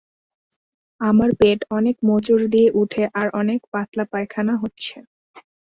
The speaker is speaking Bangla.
আমার পেট অনেক মোচড় দিয়ে উঠে আর অনেক পাতলা পায়খানা হচ্ছে।